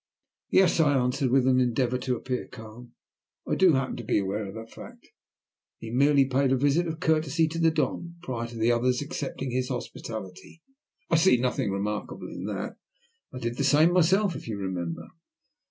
"Yes," I answered, with an endeavour to appear calm, "I do happen to be aware of that fact. He merely paid a visit of courtesy to the Don, prior to the other's accepting his hospitality. I see nothing remarkable in that. I did the same myself, if you remember."